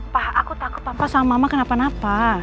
pa aku takut papa sama mama kenapa napa